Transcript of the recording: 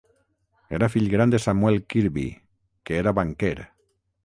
Era fill gran de Samuel Kirby, que era banquer.